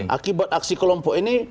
akibat aksi kelompok ini